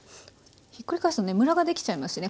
ひっくり返すとねムラができちゃいますしね。